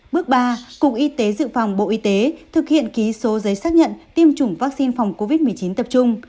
bước ba cục y tế dự phòng bộ y tế thực hiện ký số giấy xác nhận tiêm chủng vaccine phòng covid một mươi chín tập trung